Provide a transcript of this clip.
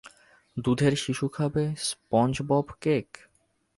দুধের শিশু খাবে স্পঞ্জবব কেক!